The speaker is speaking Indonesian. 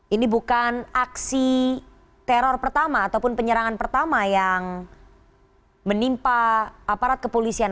ini bukan aksi teror pertama ataupun penyerangan pertama yang menimpa aparat kepolisian